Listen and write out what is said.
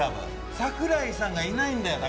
桜井さんがいないんだよ。